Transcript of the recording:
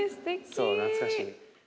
そう懐かしい。